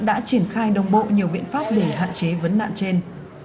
đã triển khai đồng bộ nhiều biện pháp để hạn chế vấn nạn trên